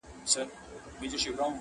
ته چي هري خواته ځې ځه پر هغه ځه-